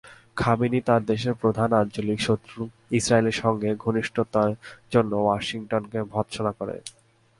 Khamenei তাঁর দেশের প্রধান আঞ্চলিক শত্রু ইসরায়েলের সঙ্গে ঘনিষ্ঠতার জন্য ওয়াশিংটনকে ভর্ৎসনা করেন।